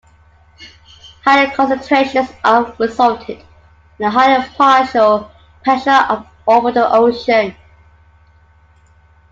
Higher concentrations of resulted in a higher partial pressure of over the ocean.